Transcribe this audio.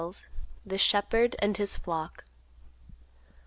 THE SHEPHERD AND HIS FLOCK.